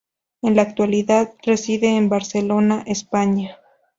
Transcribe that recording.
En la actualidad, reside en Barcelona, España.